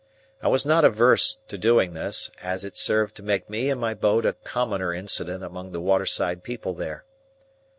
I was not averse to doing this, as it served to make me and my boat a commoner incident among the water side people there.